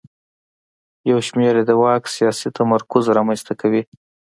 یو شمېر یې د واک سیاسي تمرکز رامنځته کوي.